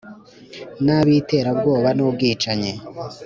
nabi iterabwoba n ubwicanyi